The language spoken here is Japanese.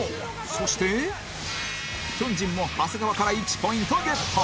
そしてヒョンジンも長谷川から１ポイントゲット